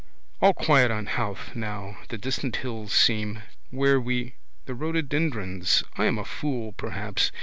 All quiet on Howth now. The distant hills seem. Where we. The rhododendrons. I am a fool perhaps.